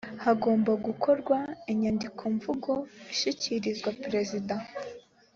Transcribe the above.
hagomba gukorwa inyandikomvugo ishyikirizwa perezida